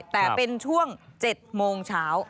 แต่เป็นช่วง๗โมงเช้า